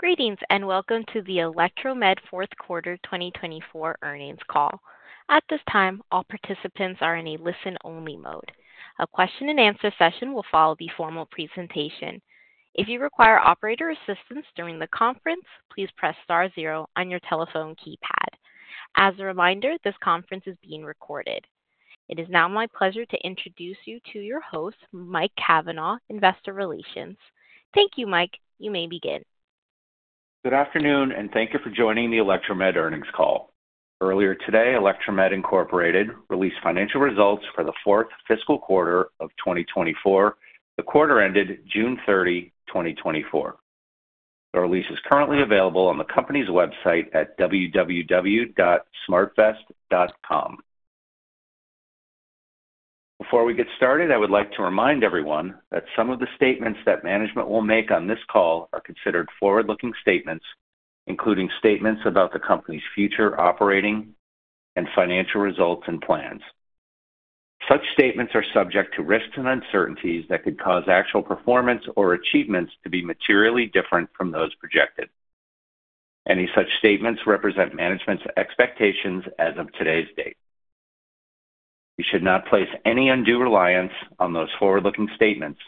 Greetings, and welcome to the Electromed fourth quarter twenty twenty-four earnings call. At this time, all participants are in a listen-only mode. A question and answer session will follow the formal presentation. If you require operator assistance during the conference, please press star zero on your telephone keypad. As a reminder, this conference is being recorded. It is now my pleasure to introduce you to your host, Mike Cavanaugh, Investor Relations. Thank you, Mike. You may begin. Good afternoon, and thank you for joining the Electromed earnings call. Earlier today, Electromed Incorporated released financial results for the fourth fiscal quarter of twenty twenty-four. The quarter ended June thirty, twenty twenty-four. The release is currently available on the company's website at www.smartvest.com. Before we get started, I would like to remind everyone that some of the statements that management will make on this call are considered forward-looking statements, including statements about the company's future operating and financial results and plans. Such statements are subject to risks and uncertainties that could cause actual performance or achievements to be materially different from those projected. Any such statements represent management's expectations as of today's date. You should not place any undue reliance on those forward-looking statements,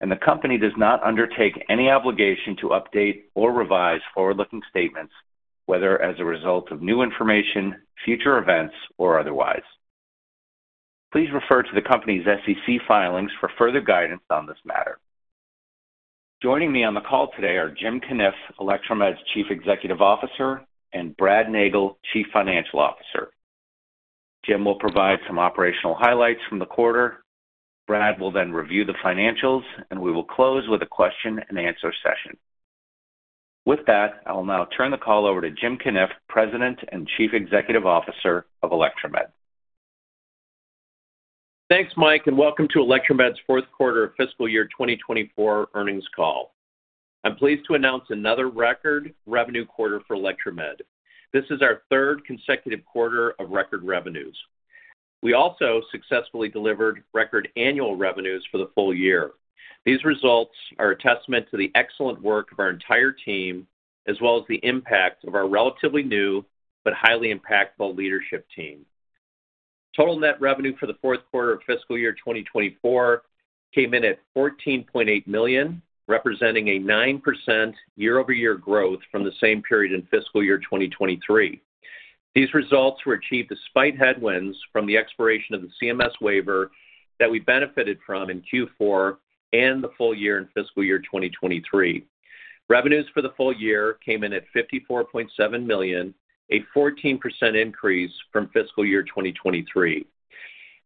and the company does not undertake any obligation to update or revise forward-looking statements, whether as a result of new information, future events, or otherwise. Please refer to the company's SEC filings for further guidance on this matter. Joining me on the call today are Jim Cunniff, Electromed's Chief Executive Officer, and Brad Nagel, Chief Financial Officer. Jim will provide some operational highlights from the quarter. Brad will then review the financials, and we will close with a question and answer session. With that, I will now turn the call over to Jim Cunniff, President and Chief Executive Officer of Electromed. Thanks, Mike, and welcome to Electromed's fourth quarter fiscal year 2024 earnings call. I'm pleased to announce another record revenue quarter for Electromed. This is our third consecutive quarter of record revenues. We also successfully delivered record annual revenues for the full year. These results are a testament to the excellent work of our entire team, as well as the impact of our relatively new but highly impactful leadership team. Total net revenue for the fourth quarter of fiscal year 2024 came in at $14.8 million, representing a 9% year-over-year growth from the same period in fiscal year 2023. These results were achieved despite headwinds from the expiration of the CMS waiver that we benefited from in Q4 and the full year in fiscal year 2023. Revenues for the full year came in at $54.7 million, a 14% increase from fiscal year 2023.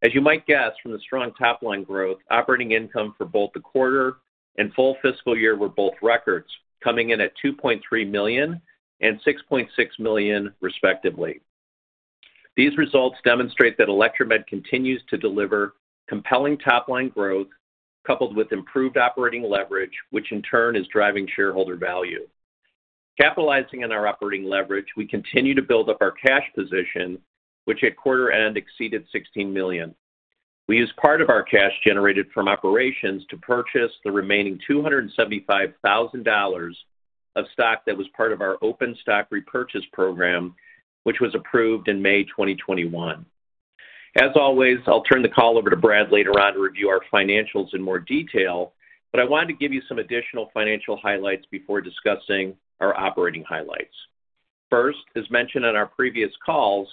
As you might guess from the strong top-line growth, operating income for both the quarter and full fiscal year were both records, coming in at $2.3 million and $6.6 million, respectively. These results demonstrate that Electromed continues to deliver compelling top-line growth, coupled with improved operating leverage, which in turn is driving shareholder value. Capitalizing on our operating leverage, we continue to build up our cash position, which at quarter end exceeded $16 million. We used part of our cash generated from operations to purchase the remaining $275,000 of stock that was part of our open stock repurchase program, which was approved in May 2021. As always, I'll turn the call over to Brad later on to review our financials in more detail, but I wanted to give you some additional financial highlights before discussing our operating highlights. First, as mentioned on our previous calls,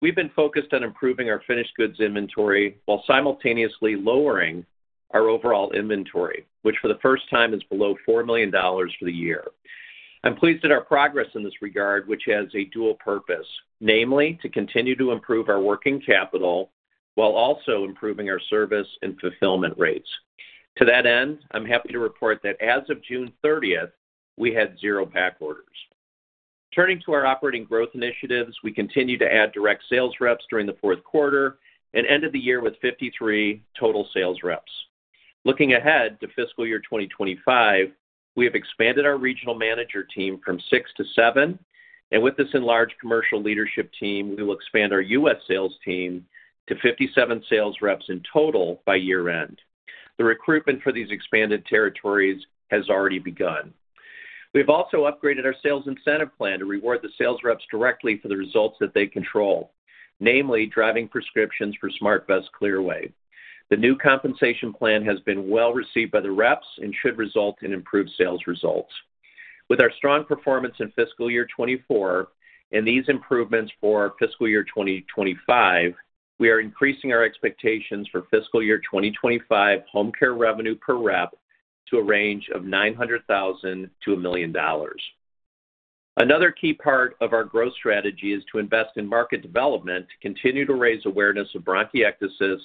we've been focused on improving our finished goods inventory while simultaneously lowering our overall inventory, which for the first time is below $4 million for the year. I'm pleased at our progress in this regard, which has a dual purpose, namely, to continue to improve our working capital while also improving our service and fulfillment rates. To that end, I'm happy to report that as of June thirtieth, we had zero back orders. Turning to our operating growth initiatives, we continued to add direct sales reps during the fourth quarter and ended the year with 53 total sales reps. Looking ahead to fiscal year 2025, we have expanded our regional manager team from six to seven, and with this enlarged commercial leadership team, we will expand our U.S. sales team to 57 sales reps in total by year-end. The recruitment for these expanded territories has already begun. We've also upgraded our sales incentive plan to reward the sales reps directly for the results that they control, namely driving prescriptions for SmartVest Clearway. The new compensation plan has been well-received by the reps and should result in improved sales results. With our strong performance in fiscal year 2024 and these improvements for fiscal year 2025, we are increasing our expectations for fiscal year 2025 home care revenue per rep to a range of $900,000-$1 million. Another key part of our growth strategy is to invest in market development to continue to raise awareness of bronchiectasis,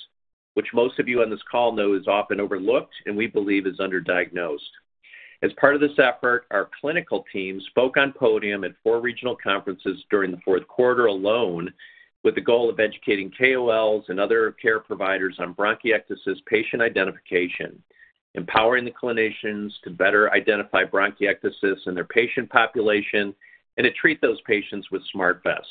which most of you on this call know is often overlooked and we believe is underdiagnosed. As part of this effort, our clinical team spoke on podium at four regional conferences during the fourth quarter alone, with the goal of educating KOLs and other care providers on bronchiectasis patient identification, empowering the clinicians to better identify bronchiectasis in their patient population and to treat those patients with SmartVest.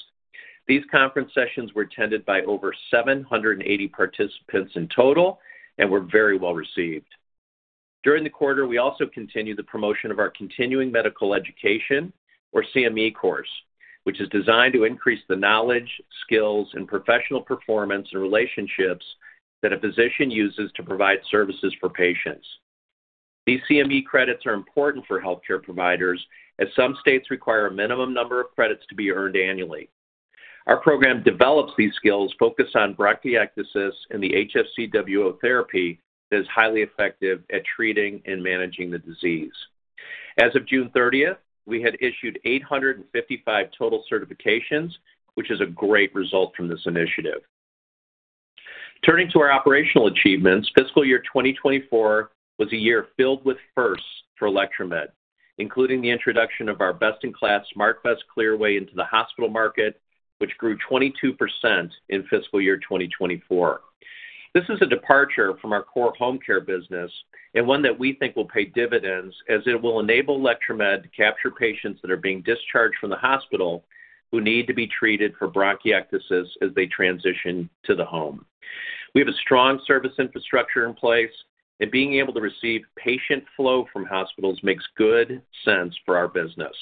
These conference sessions were attended by over 780 participants in total and were very well received. During the quarter, we also continued the promotion of our Continuing Medical Education, or CME course, which is designed to increase the knowledge, skills, and professional performance and relationships that a physician uses to provide services for patients. These CME credits are important for healthcare providers, as some states require a minimum number of credits to be earned annually. Our program develops these skills focused on bronchiectasis and the HFCWO therapy that is highly effective at treating and managing the disease. As of June thirtieth, we had issued 855 total certifications, which is a great result from this initiative. Turning to our operational achievements, fiscal year 2024 was a year filled with firsts for Electromed, including the introduction of our best-in-class SmartVest Clearway into the hospital market, which grew 22% in fiscal year 2024. This is a departure from our core home care business and one that we think will pay dividends, as it will enable Electromed to capture patients that are being discharged from the hospital who need to be treated for bronchiectasis as they transition to the home. We have a strong service infrastructure in place, and being able to receive patient flow from hospitals makes good sense for our business.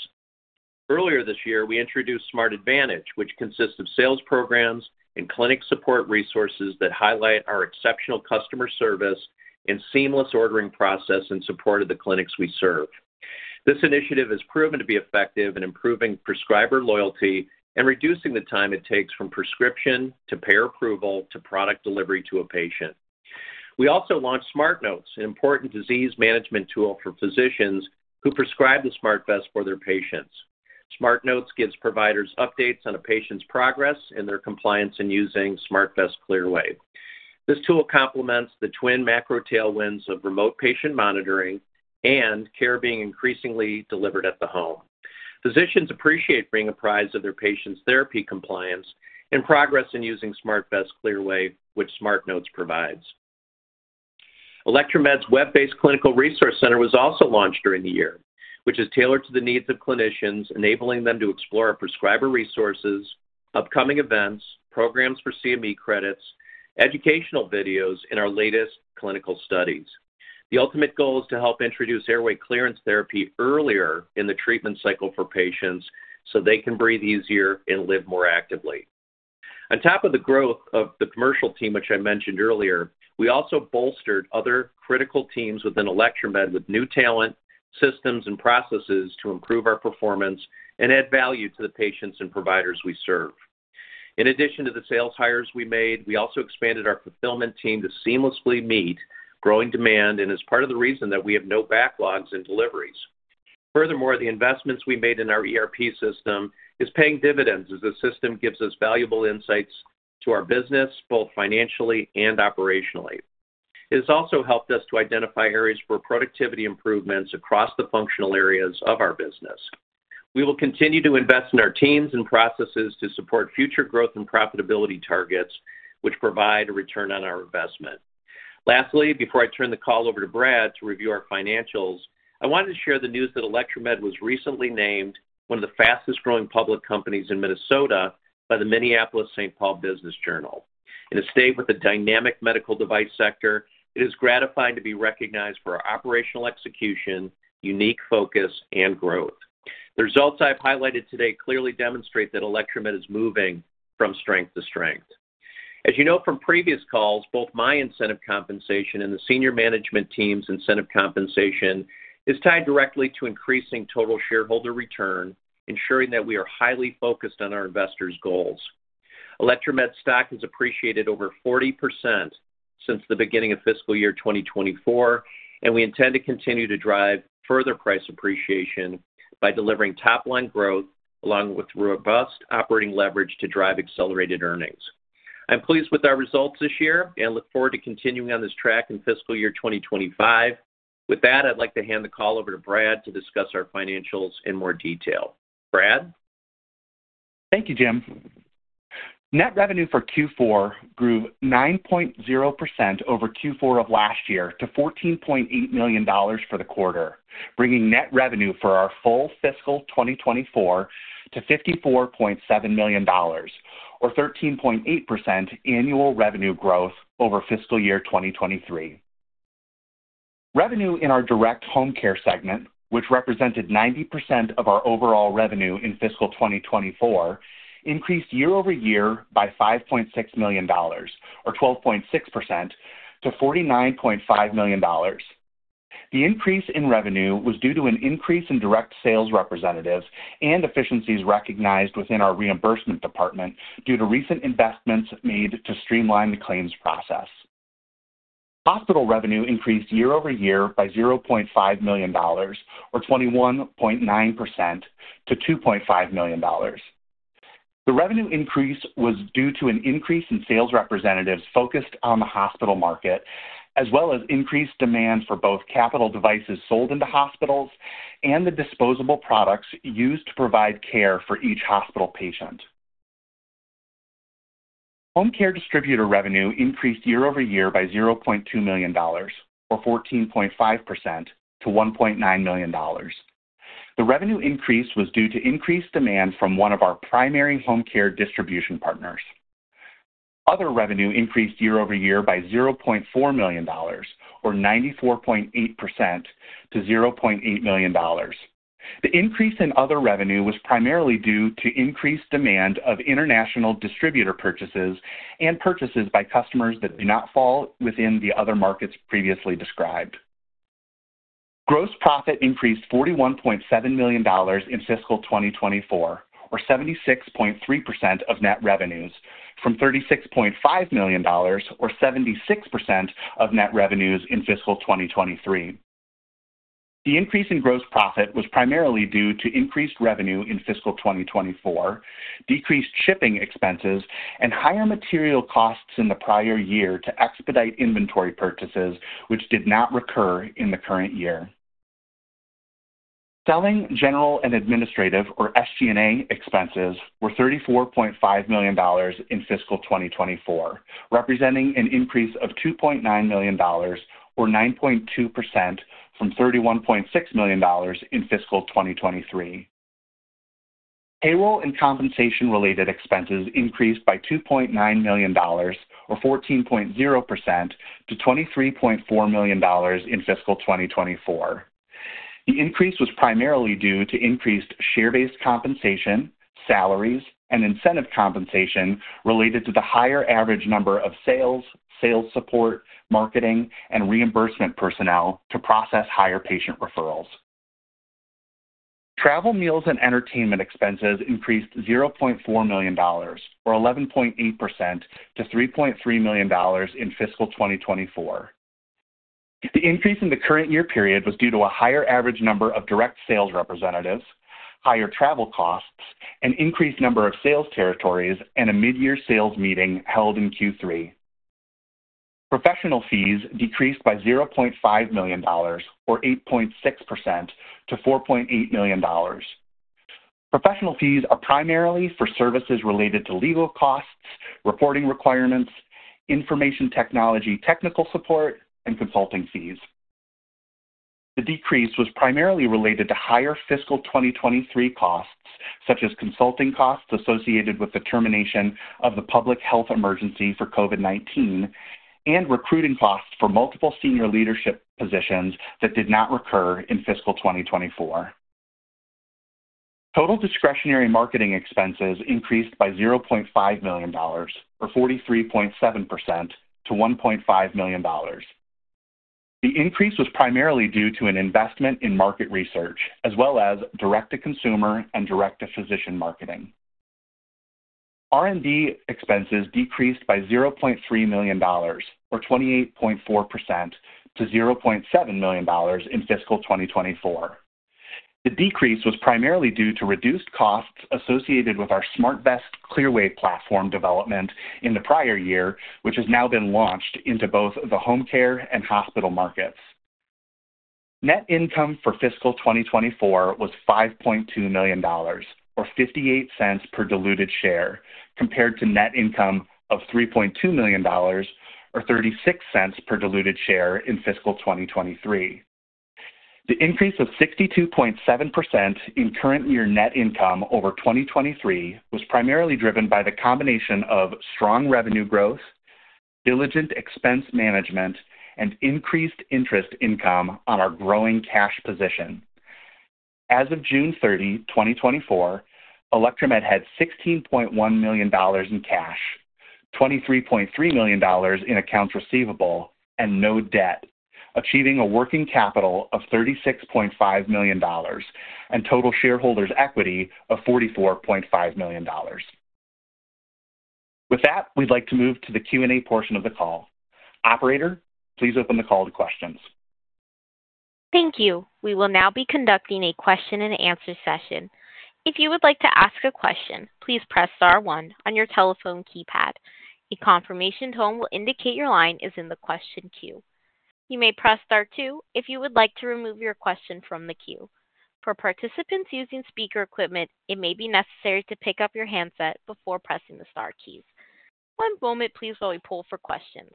Earlier this year, we introduced SmartAdvantage, which consists of sales programs and clinic support resources that highlight our exceptional customer service and seamless ordering process in support of the clinics we serve. This initiative has proven to be effective in improving prescriber loyalty and reducing the time it takes from prescription to payer approval to product delivery to a patient. We also launched SmartNotes, an important disease management tool for physicians who prescribe the SmartVest for their patients. SmartNotes gives providers updates on a patient's progress and their compliance in using SmartVest Clearway. This tool complements the twin macro tailwinds of remote patient monitoring and care being increasingly delivered at the home. Physicians appreciate being apprised of their patients' therapy, compliance, and progress in using SmartVest Clearway, which SmartNotes provides. Electromed's web-based clinical resource center was also launched during the year, which is tailored to the needs of clinicians, enabling them to explore our prescriber resources, upcoming events, programs for CME credits, educational videos, and our latest clinical studies. The ultimate goal is to help introduce airway clearance therapy earlier in the treatment cycle for patients, so they can breathe easier and live more actively. On top of the growth of the commercial team, which I mentioned earlier, we also bolstered other critical teams within Electromed with new talent, systems, and processes to improve our performance and add value to the patients and providers we serve. In addition to the sales hires we made, we also expanded our fulfillment team to seamlessly meet growing demand and is part of the reason that we have no backlogs in deliveries. Furthermore, the investments we made in our ERP system is paying dividends, as the system gives us valuable insights to our business, both financially and operationally. It has also helped us to identify areas for productivity improvements across the functional areas of our business. We will continue to invest in our teams and processes to support future growth and profitability targets, which provide a return on our investment. Lastly, before I turn the call over to Brad to review our financials, I wanted to share the news that Electromed was recently named one of the fastest-growing public companies in Minnesota by the Minneapolis/St. Paul Business Journal. In a state with a dynamic medical device sector, it is gratifying to be recognized for our operational execution, unique focus, and growth. The results I've highlighted today clearly demonstrate that Electromed is moving from strength to strength. As you know from previous calls, both my incentive compensation and the senior management team's incentive compensation is tied directly to increasing total shareholder return, ensuring that we are highly focused on our investors' goals. Electromed stock has appreciated over 40% since the beginning of fiscal year 2024, and we intend to continue to drive further price appreciation by delivering top-line growth, along with robust operating leverage to drive accelerated earnings. I'm pleased with our results this year and look forward to continuing on this track in fiscal year 2025. With that, I'd like to hand the call over to Brad to discuss our financials in more detail. Brad? Thank you, Jim. Net revenue for Q4 grew 9.0% over Q4 of last year to $14.8 million for the quarter, bringing net revenue for our full fiscal 2024 to $54.7 million, or 13.8% annual revenue growth over fiscal year 2023. Revenue in our direct home care segment, which represented 90% of our overall revenue in fiscal 2024, increased year over year by $5.6 million, or 12.6%, to $49.5 million. The increase in revenue was due to an increase in direct sales representatives and efficiencies recognized within our reimbursement department due to recent investments made to streamline the claims process. Hospital revenue increased year over year by $0.5 million, or 21.9%, to $2.5 million. The revenue increase was due to an increase in sales representatives focused on the hospital market, as well as increased demand for both capital devices sold into hospitals and the disposable products used to provide care for each hospital patient. Home care distributor revenue increased year-over-year by $0.2 million, or 14.5%, to $1.9 million. The revenue increase was due to increased demand from one of our primary home care distribution partners. Other revenue increased year-over-year by $0.4 million, or 94.8%, to $0.8 million. The increase in other revenue was primarily due to increased demand of international distributor purchases and purchases by customers that do not fall within the other markets previously described. Gross profit increased $41.7 million in fiscal 2024, or 76.3% of net revenues, from $36.5 million, or 76% of net revenues in fiscal 2023. The increase in gross profit was primarily due to increased revenue in fiscal 2024, decreased shipping expenses, and higher material costs in the prior year to expedite inventory purchases, which did not recur in the current year. Selling, general, and administrative, or SG&A expenses, were $34.5 million in fiscal 2024, representing an increase of $2.9 million, or 9.2% from $31.6 million in fiscal 2023. Payroll and compensation-related expenses increased by $2.9 million, or 14.0% to $23.4 million in fiscal 2024. The increase was primarily due to increased share-based compensation, salaries, and incentive compensation related to the higher average number of sales, sales support, marketing, and reimbursement personnel to process higher patient referrals. Travel, meals, and entertainment expenses increased $0.4 million, or 11.8% to $3.3 million in fiscal 2024. The increase in the current year period was due to a higher average number of direct sales representatives, higher travel costs, an increased number of sales territories, and a mid-year sales meeting held in Q3. Professional fees decreased by $0.5 million, or 8.6% to $4.8 million. Professional fees are primarily for services related to legal costs, reporting requirements, information technology, technical support, and consulting fees. The decrease was primarily related to higher fiscal 2023 costs, such as consulting costs associated with the termination of the public health emergency for COVID-19 and recruiting costs for multiple senior leadership positions that did not recur in fiscal 2024. Total discretionary marketing expenses increased by $0.5 million, or 43.7% to $1.5 million. The increase was primarily due to an investment in market research, as well as direct-to-consumer and direct-to-physician marketing. R&D expenses decreased by $0.3 million, or 28.4% to $0.7 million in fiscal 2024. The decrease was primarily due to reduced costs associated with our SmartVest Clearway platform development in the prior year, which has now been launched into both the home care and hospital markets. Net income for fiscal 2024 was $5.2 million, or $0.58 per diluted share, compared to net income of $3.2 million, or $0.36 per diluted share in fiscal 2023. The increase of 62.7% in current year net income over 2023 was primarily driven by the combination of strong revenue growth, diligent expense management, and increased interest income on our growing cash position. As of June 30, 2024, Electromed had $16.1 million in cash, $23.3 million in accounts receivable, and no debt, achieving a working capital of $36.5 million and total shareholders' equity of $44.5 million. With that, we'd like to move to the Q&A portion of the call. Operator, please open the call to questions. Thank you. We will now be conducting a question-and-answer session. If you would like to ask a question, please press star one on your telephone keypad. A confirmation tone will indicate your line is in the question queue. You may press star two if you would like to remove your question from the queue. For participants using speaker equipment, it may be necessary to pick up your handset before pressing the star keys. One moment, please, while we pull for questions.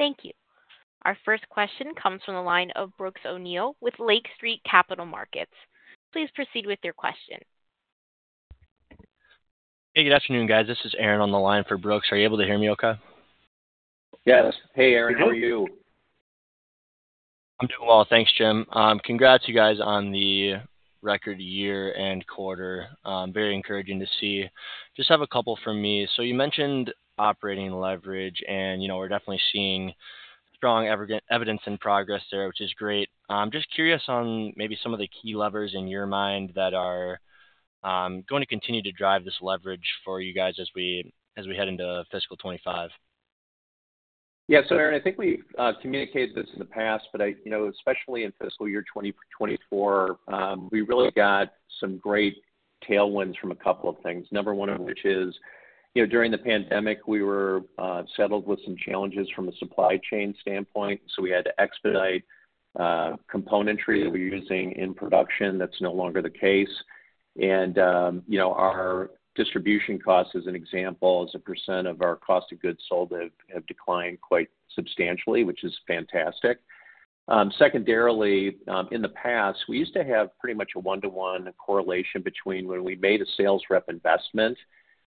Thank you. Our first question comes from the line of Brooks O'Neil with Lake Street Capital Markets. Please proceed with your question. Hey, good afternoon, guys. This is Aaron on the line for Brooks. Are you able to hear me okay? Yes. Hey, Aaron, how are you? I'm doing well. Thanks, Jim. Congrats you guys on the record year and quarter. Very encouraging to see. Just have a couple from me. So you mentioned operating leverage, and, you know, we're definitely seeing strong evidence and progress there, which is great. I'm just curious on maybe some of the key levers in your mind that are going to continue to drive this leverage for you guys as we head into fiscal twenty-five. Yeah. So, Aaron, I think we communicated this in the past, but I... You know, especially in fiscal year 2024, we really got some great-... tailwinds from a couple of things. Number one of which is, you know, during the pandemic, we were saddled with some challenges from a supply chain standpoint, so we had to expedite componentry that we were using in production. That's no longer the case, and you know, our distribution costs, as an example, as a percent of our cost of goods sold, have declined quite substantially, which is fantastic. Secondarily, in the past, we used to have pretty much a one-to-one correlation between when we made a sales rep investment,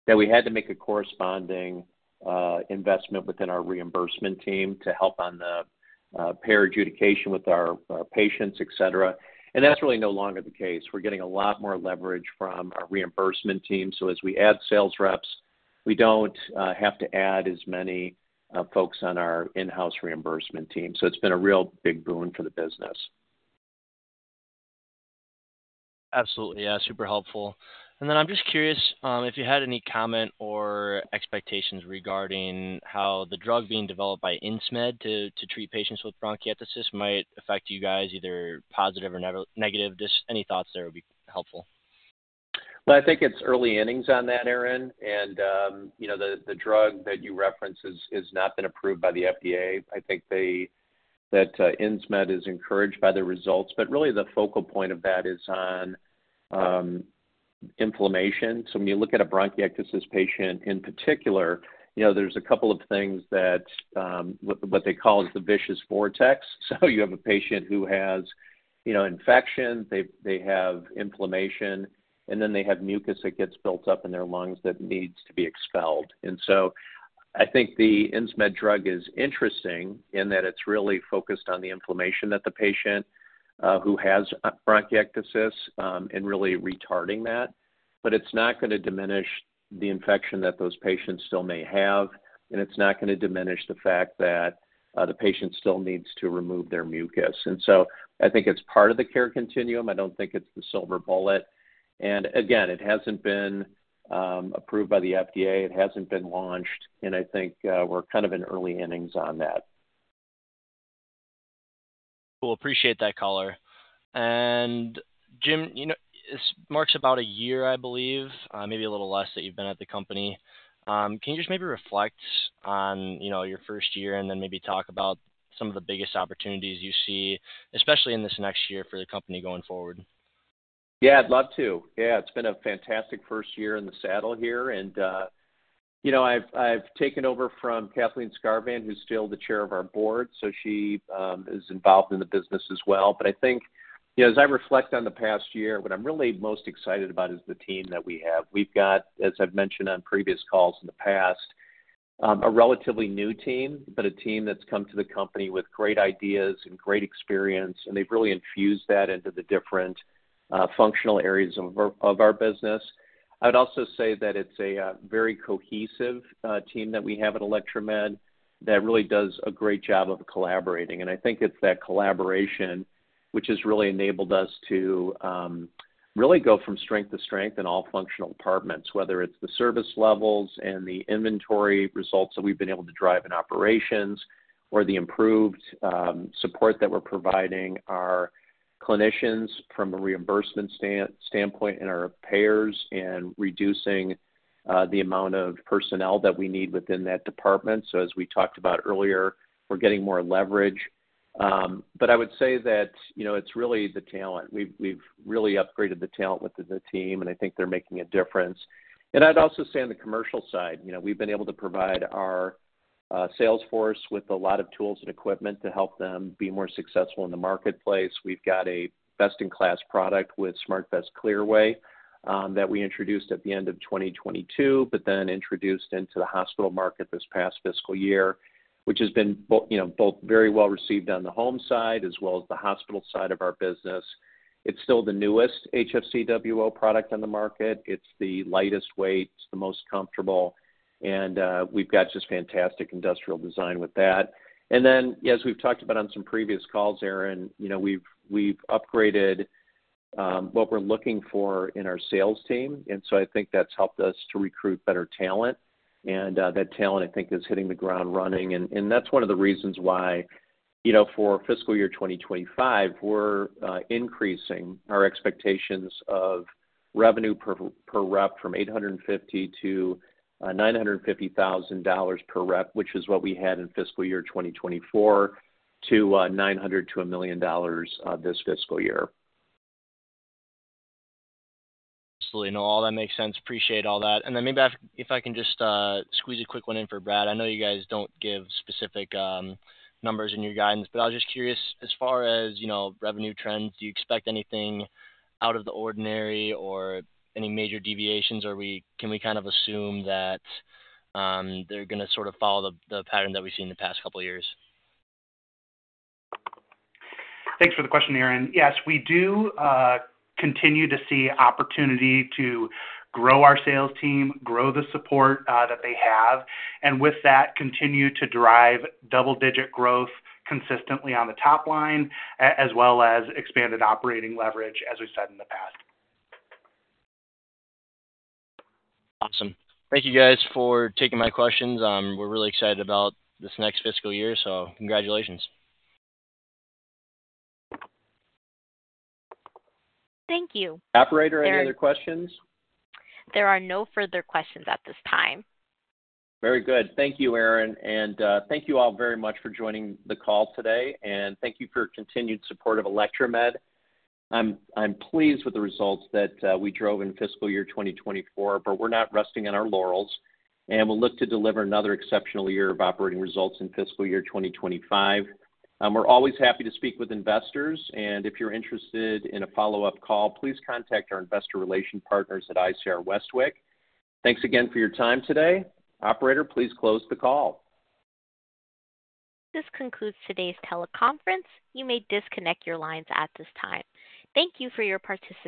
that we had to make a corresponding investment within our reimbursement team to help on the payer adjudication with our patients, et cetera, and that's really no longer the case. We're getting a lot more leverage from our reimbursement team. So as we add sales reps, we don't have to add as many folks on our in-house reimbursement team. So it's been a real big boon for the business. Absolutely. Yeah, super helpful. And then I'm just curious if you had any comment or expectations regarding how the drug being developed by Insmed to treat patients with bronchiectasis might affect you guys, either positive or negative. Just any thoughts there would be helpful. I think it's early innings on that, Aaron, and you know, the drug that you reference has not been approved by the FDA. I think that Insmed is encouraged by the results, but really the focal point of that is on inflammation. So when you look at a bronchiectasis patient in particular, you know, there's a couple of things that what they call the vicious vortex. So you have a patient who has you know, infection, they have inflammation, and then they have mucus that gets built up in their lungs that needs to be expelled. And so I think the Insmed drug is interesting in that it's really focused on the inflammation that the patient who has bronchiectasis and really retarding that, but it's not gonna diminish the infection that those patients still may have, and it's not gonna diminish the fact that the patient still needs to remove their mucus. And so I think it's part of the care continuum. I don't think it's the silver bullet. And again, it hasn't been approved by the FDA. It hasn't been launched, and I think we're kind of in early innings on that. Cool. Appreciate that color. And Jim, you know, it's been about a year, I believe, maybe a little less that you've been at the company. Can you just maybe reflect on, you know, your first year and then maybe talk about some of the biggest opportunities you see, especially in this next year for the company going forward? Yeah, I'd love to. Yeah, it's been a fantastic first year in the saddle here, and, you know, I've taken over from Kathleen Skarvan, who's still the chair of our board, so she is involved in the business as well. But I think, you know, as I reflect on the past year, what I'm really most excited about is the team that we have. We've got, as I've mentioned on previous calls in the past, a relatively new team, but a team that's come to the company with great ideas and great experience, and they've really infused that into the different functional areas of our business. I'd also say that it's a very cohesive team that we have at Electromed, that really does a great job of collaborating. I think it's that collaboration which has really enabled us to really go from strength to strength in all functional departments, whether it's the service levels and the inventory results that we've been able to drive in operations, or the improved support that we're providing our clinicians from a reimbursement standpoint, and our payers, and reducing the amount of personnel that we need within that department, so as we talked about earlier, we're getting more leverage, but I would say that, you know, it's really the talent. We've really upgraded the talent within the team, and I think they're making a difference, and I'd also say on the commercial side, you know, we've been able to provide our sales force with a lot of tools and equipment to help them be more successful in the marketplace. We've got a best-in-class product with SmartVest Clearway that we introduced at the end of 2022, but then introduced into the hospital market this past fiscal year, which has been you know, both very well received on the home side as well as the hospital side of our business. It's still the newest HFCWO product on the market. It's the lightest weight, it's the most comfortable, and we've got just fantastic industrial design with that. And then, as we've talked about on some previous calls, Aaron, you know, we've upgraded what we're looking for in our sales team, and so I think that's helped us to recruit better talent. That talent, I think, is hitting the ground running, and that's one of the reasons why, you know, for fiscal year 2025, we're increasing our expectations of revenue per rep from $850,000 to $950,000 per rep, which is what we had in fiscal year 2024, to $900,000 to $1,000,000 this fiscal year. Absolutely. No, all that makes sense. Appreciate all that. And then maybe if I can just squeeze a quick one in for Brad. I know you guys don't give specific numbers in your guidance, but I was just curious, as far as, you know, revenue trends, do you expect anything out of the ordinary or any major deviations? Or can we kind of assume that they're gonna sort of follow the pattern that we've seen in the past couple of years? Thanks for the question, Aaron. Yes, we do continue to see opportunity to grow our sales team, grow the support that they have, and with that, continue to drive double-digit growth consistently on the top line, as well as expanded operating leverage, as we've said in the past. Awesome. Thank you guys for taking my questions. We're really excited about this next fiscal year, so congratulations. Thank you. Operator, any other questions? There are no further questions at this time. Very good. Thank you, Aaron, and thank you all very much for joining the call today, and thank you for your continued support of Electromed. I'm pleased with the results that we drove in fiscal year 2024, but we're not resting on our laurels, and we'll look to deliver another exceptional year of operating results in fiscal year 2025. We're always happy to speak with investors, and if you're interested in a follow-up call, please contact our investor relation partners at ICR Westwicke. Thanks again for your time today. Operator, please close the call. This concludes today's teleconference. You may disconnect your lines at this time. Thank you for your participation.